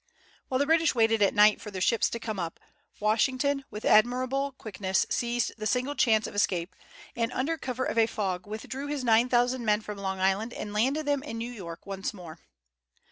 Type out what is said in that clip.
While the British waited at night for their ships to come up, Washington with admirable quickness seized the single chance of escape, and under cover of a fog withdrew his nine thousand men from Long Island and landed them in New York once more.